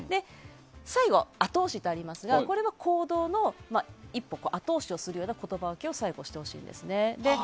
最後、後押しとありますが行動の一歩後押しをするような声掛けを最後、してほしいんですね。